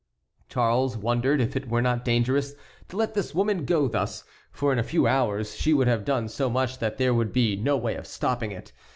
Charles wondered if it were not dangerous to let this woman go thus, for in a few hours she would have done so much that there would be no way of stopping it.